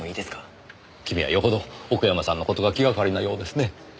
君はよほど奥山さんの事が気がかりなようですね。